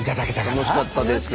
楽しかったです。